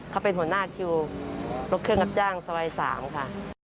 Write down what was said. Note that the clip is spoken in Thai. เขาเป็นหัวหน้าคิวรถเครื่องรับจ้างซอย๓ค่ะ